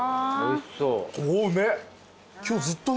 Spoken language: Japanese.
おうめえ。